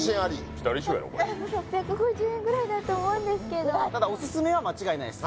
ぴったり賞やろこれ６５０円ぐらいだと思うんですけどただオススメは間違いないです